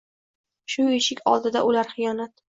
shu eshik oldida o’lar xiyonat.